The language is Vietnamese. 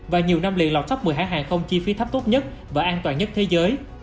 và nhiều năm liên lọc sắp một mươi hãng hàng không chi phí thấp tốt nhất và an toàn nhất thế giới